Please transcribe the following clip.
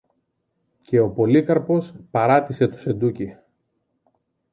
και ο Πολύκαρπος παράτησε το σεντούκι.